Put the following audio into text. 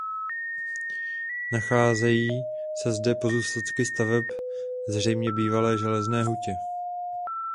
Nacházejí se zde pozůstatky staveb zřejmě bývalé železné hutě.